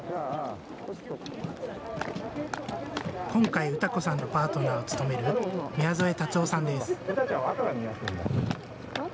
今回、詩子さんのパートナーを務める宮副竜生さんです。